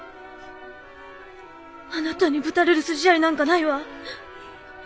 あなたにぶたれる筋合いなんかないわ。